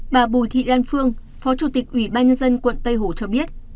bà bùi thị đan phương phó chủ tịch ủy ban nhân dân quận tây hổ cho biết